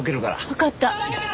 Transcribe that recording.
わかった。